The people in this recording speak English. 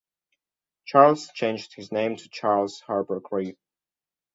Charles changed his name to Charles Harpur-Crewe.